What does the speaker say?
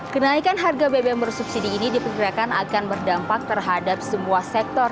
kenaikan harga bbm bersubsidi ini diperkirakan akan berdampak terhadap semua sektor